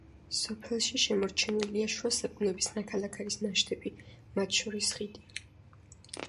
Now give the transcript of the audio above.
სოფელში შემორჩენილია შუა საუკუნეების ნაქალაქარის ნაშთები, მათ შორის ხიდი.